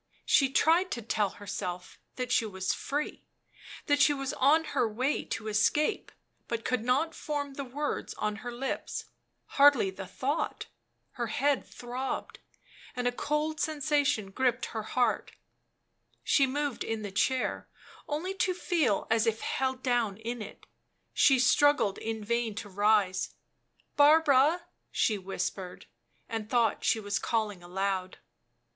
She tried to tell herself that she was free, that she was on her way to escape, but could not form the words on her lips, hardly the thought ; her head throbbed, and a cold sensation gripped her heart; she moved in the chair, only to feel as if held down in it ; she struggled in vain to rise. " Barbara !" she whispered, and thought she was calling aloud.